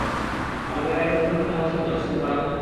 আমাদের গাড়ি কখনো থামা উচিৎ নয়, সুব্বারাও।